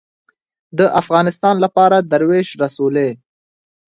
د افغانستان لپاره دروېش رسولې